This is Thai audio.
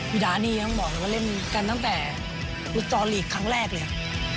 วิดาะนี่ยังบอกว่าเล่นกันตั้งแต่คุณตอนลีกครั้งแรกเลย